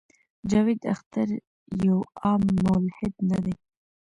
جاوېد اختر يو عام ملحد نۀ دے